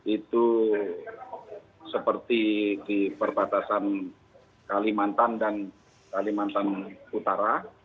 itu seperti di perbatasan kalimantan dan kalimantan utara